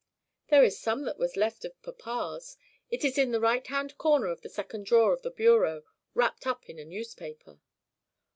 "There is some that was left of papa's. It is in the right hand corner of the second drawer of the bureau, wrapped up in a newspaper."